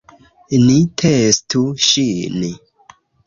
Ni testu ŝin